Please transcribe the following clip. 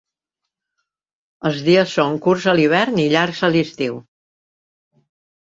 Els dies són curts a l'hivern i llargs a l'estiu.